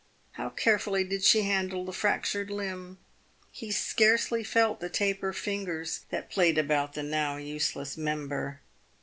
How carefully did she handle the fractured limb. He scarcely felt the taper fingers that played about the now useless member."